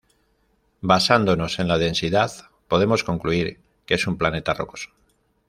Basándonos en la densidad podemos concluir que es un planeta rocoso.